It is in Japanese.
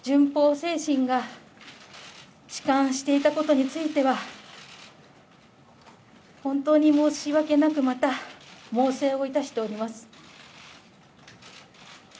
精神が弛緩していたことについては、本当に申し訳なく、また猛省をいたしております。